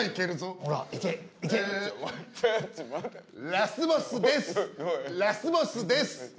ラスボスです、ラスボスです。